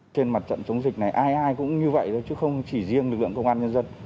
trên mặt trận chống dịch này ai ai cũng như vậy thôi chứ không chỉ riêng lực lượng công an nhân dân